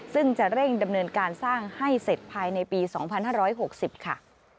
ซึ่งจะเร่งดำเนินการสร้างให้เสร็จภายในปี๒๕๖๐ค่ะ